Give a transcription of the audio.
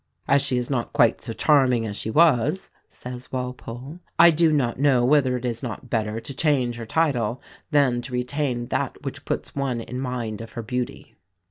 "As she is not quite so charming as she was," says Walpole, "I do not know whether it is not better to change her title than to retain that which puts one in mind of her beauty."